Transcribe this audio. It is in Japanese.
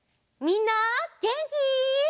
みんなげんき？